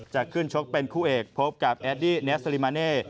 จะขึ้นชกเป็นคู่เอกพบกับแอดดี้เนสลิมาเน่